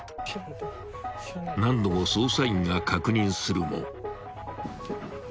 ［何度も捜査員が確認するも］